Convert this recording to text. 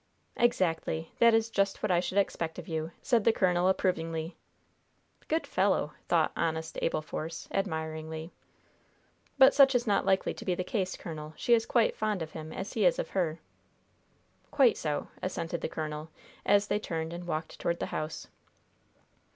"Exactly. That is just what I should expect of you," said the colonel, approvingly. "Good fellow!" thought, honest Abel Force, admiringly. "But such is not likely to be the case, colonel. She is quite fond of him as he is of her." "Quite so," assented the colonel, as they turned and walked toward the house.